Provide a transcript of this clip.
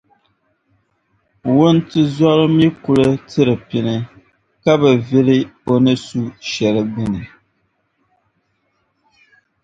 wuntizɔra mi kul tiri pini ka bi vili o ni su shɛli gbini.